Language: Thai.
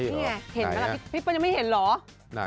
นี่ไงเห็นไหมล่ะพี่เปิ้ลยังไม่เห็นเหรอ